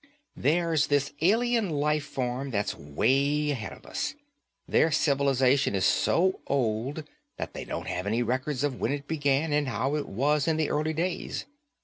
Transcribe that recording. There's this alien life form that's way ahead of us. Their civilization is so old that they don't have any records of when it began and how it was in the early days.